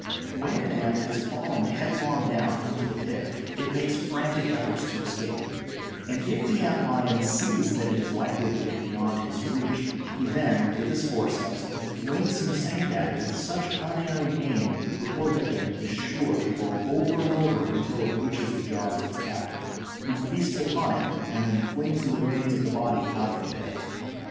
When an ant has fallen headlong down into the pit it makes frantic efforts to escape, and if the ant lion sees that it is likely to get beyond his reach, he then with his forceps flings some sand at it with such unerring aim the poor victim is sure to roll over and over until it reaches the jaws of its captor, who feasts upon it and then flings the remains of the body out of the pit.